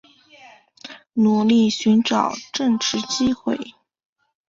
努力寻找正职机会